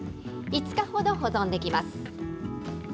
５日ほど保存できます。